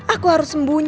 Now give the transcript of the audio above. aku harus membantu